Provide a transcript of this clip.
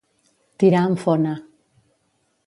Tirar amb fona.